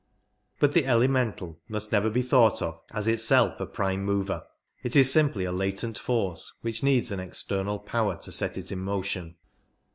But the " elemental " must never be thought of as itself a prime mover; it is simply a latent force, which needs an external power to set it in motion.